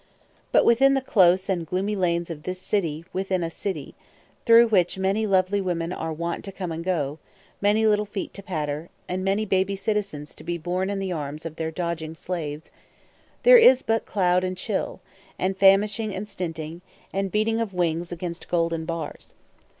But within the close and gloomy lanes of this city within a city, through which many lovely women are wont to come and go, many little feet to patter, and many baby citizens to be borne in the arms of their dodging slaves, there is but cloud and chill, and famishing and stinting, and beating of wings against golden bars.